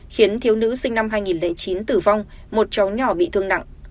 khiến thiếu nữ sinh năm hai nghìn chín tử vong một cháu nhỏ bị thương nặng